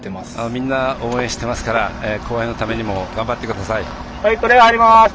みんな応援していますから後輩のためにも頑張ってください。